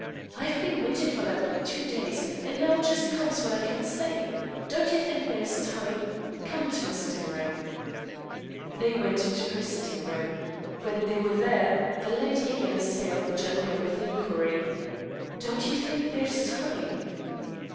I've been waiting for that book two days, and now it just comes when I can't stay. Don't' you think there's time? Come into my sitting room." They went into her sitting room. When they were there, the lady again assailed the gentleman with the inquiry: "Don't you think there's time?"